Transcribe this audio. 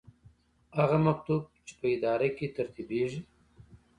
هغه مکتوب چې په اداره کې ترتیبیږي.